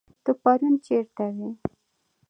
ته پرون چيرته وي